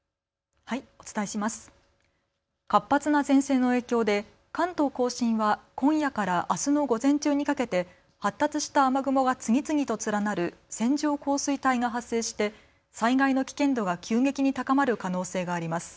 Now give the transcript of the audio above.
活発な前線の影響で関東・甲信は今夜から明日の午前中にかけて発達した雨雲が次々と連なる線状降水帯が発生して災害の危険度が急激に高まる可能性があります。